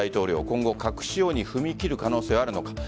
今後、核使用に踏み切る可能性はあるのか。